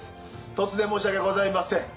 突然申し訳ございません。